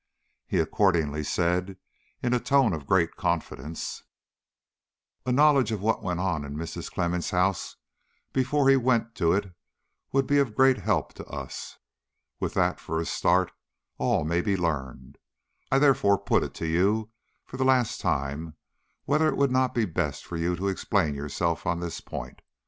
He accordingly said, in a tone of great confidence: "A knowledge of what went on in Mrs. Clemmens' house before he went to it would be of great help to us. With that for a start, all may be learned. I therefore put it to you for the last time whether it would not be best for you to explain yourself on this point.